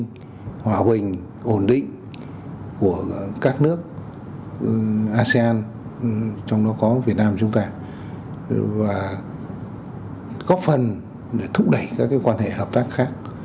chúng tôi cũng xác định là công tác đối ngoại tập trung triển khai ở các nước asean trong đó có việt nam với chúng ta và góp phần để thúc đẩy các quan hệ hợp tác khác